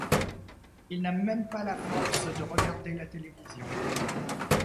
Il n'a même pas la force de regarder la télévision.